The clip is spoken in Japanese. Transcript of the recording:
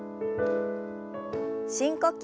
深呼吸。